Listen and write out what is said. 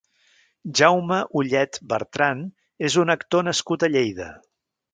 Jaume Ulled Bertran és un actor nascut a Lleida.